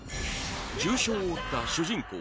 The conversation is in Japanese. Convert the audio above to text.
重傷を負った主人公